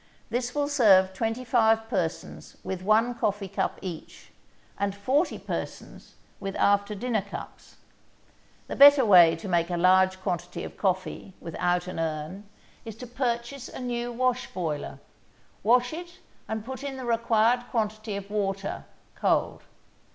This will serve twenty five persons with one coffee cup each, and forty persons with after dinner cups. The better way to make a large quantity of coffee without an urn is to purchase a new wash boiler. Wash it and put in the required quantity of water (cold).